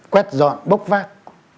quét dọn bốc vác